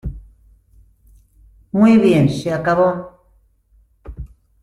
¡ Muy bien, se acabó!